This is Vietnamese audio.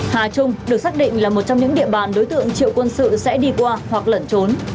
hà trung được xác định là một trong những địa bàn đối tượng triệu quân sự sẽ đi qua hoặc lẩn trốn